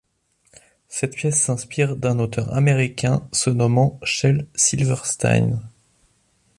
Cette pièce s’inspire d’un auteur américain se nommant Shel Silverstein.